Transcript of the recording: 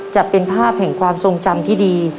จะเป็นภาพแห่งความทรงจำที่ดี